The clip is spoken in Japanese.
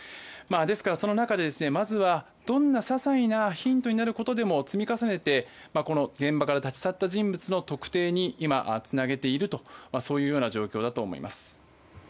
ですから、その中でまずはどんな些細なヒントになることでも積み重ねて、現場から立ち去った人物の特定に今、つなげているという状況だと思います。